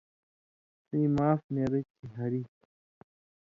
سیں معاف نیرہ چھی ہاریۡ۔